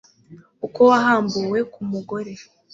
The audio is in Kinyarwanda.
uko wahambuwe ku mugore